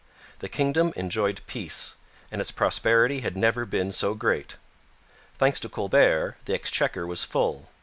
The kingdom enjoyed peace, and its prosperity had never been so great. Thanks to Colbert, the exchequer was full.